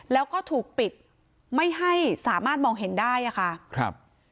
แล้วก็ถูกปิดไม่ให้สามารถมองเห็นได้อะค่ะครับ